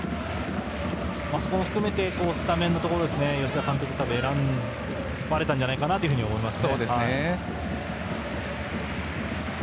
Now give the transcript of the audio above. そこも含めてスタメンのところを吉田監督は選ばれたんじゃないかなと思います。